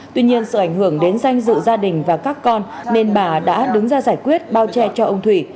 tuy nhiên sự ảnh hưởng đến danh dự gia đình và các con nên bà đã đứng ra giải quyết bao che cho ông thủy